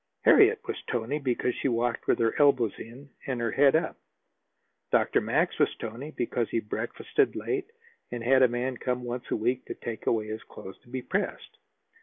Harriet was "tony" because she walked with her elbows in and her head up. Dr. Max was "tony" because he breakfasted late, and had a man come once a week and take away his clothes to be pressed.